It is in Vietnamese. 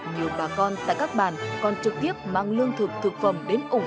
nhiều bà con tại các bàn còn trực tiếp mang lương thực thực phẩm đến ủng